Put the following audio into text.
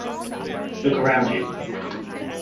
Look round you.